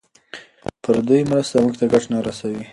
پردۍ مرستې موږ ته ګټه نه رسوي.